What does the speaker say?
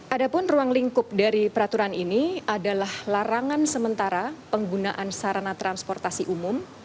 ada pun ruang lingkup dari peraturan ini adalah larangan sementara penggunaan sarana transportasi umum